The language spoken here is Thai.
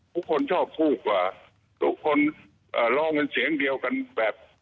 ทุกคนชอบคู่กว่าทุกคนร้องกันเสียงเดียวกันแบบ